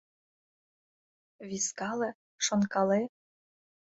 Вискале, шонкале.